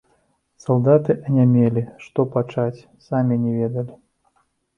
Салдаты анямелі, што пачаць, самі не ведалі.